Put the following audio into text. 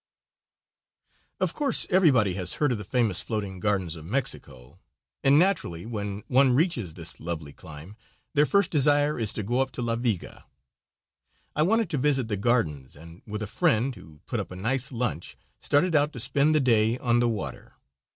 Of course, everybody has heard of the famous floating gardens of Mexico, and naturally when one reaches this lovely clime their first desire is to go up to La Viga. I wanted to visit the gardens, and with a friend, who put up a nice lunch, started out to spend the day on the water.